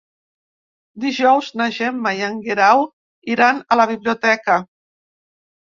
Dijous na Gemma i en Guerau iran a la biblioteca.